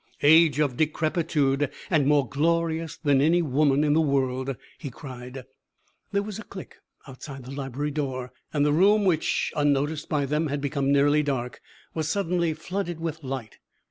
_" "Age of decrepitude! And more glorious than any woman in the world!" he cried. There was a click outside the library door, and the room, which unnoticed by them had become nearly dark, was suddenly flooded with light.